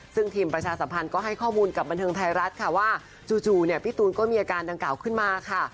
ซึ่งทีมประชาสัมพันธ์ก็ให้ข้อมูลกับบันเทิงไทยรัฐค่ะว่าจู่เนี่ยพี่ตูนก็มีอาการดังกล่าวขึ้นมาค่ะ